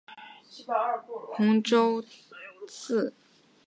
曹溪南宗又分为石头禅和洪州禅。